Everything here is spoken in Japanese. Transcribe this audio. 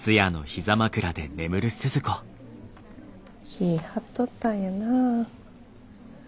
気ぃ張っとったんやな。